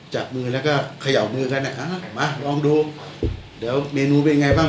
จับมือแล้วก็เขย่ามือกันนะคะมาลองดูเดี๋ยวเมนูเป็นไงบ้าง